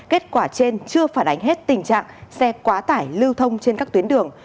kết quả trên chưa phản ánh hết tình trạng xe quá tải lưu thông trên các tuyến đường